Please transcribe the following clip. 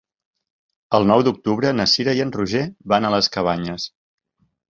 El nou d'octubre na Cira i en Roger van a les Cabanyes.